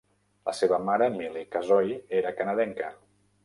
La seva mare, Milli Kasoy, era canadenca.